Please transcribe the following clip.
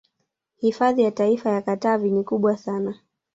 Hifadhi ya Taifa ya Katavi ni kubwa sana